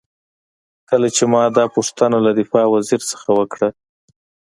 کله چې ما دا پوښتنه له دفاع وزیر نه وکړه.